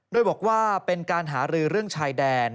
โดยบอกว่าเป็นการหารือเรื่องชายแดน